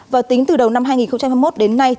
và tính từ đầu năm hai nghìn hai mươi một đến nay